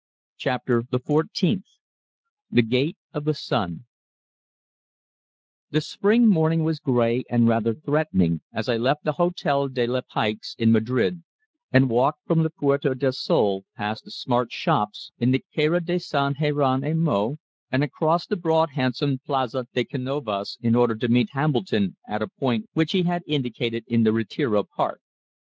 CHAPTER THE FOURTEENTH THE GATE OF THE SUN The spring morning was grey and rather threatening as I left the Hôtel de la Paix in Madrid and walked from the Puerta del Sol past the smart shops in the Carrera de San Jeronimo and across the broad handsome Plaza de Canovas, in order to meet Hambledon at a point which he had indicated in the Retiro Park.